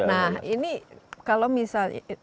nah ini kalau misalnya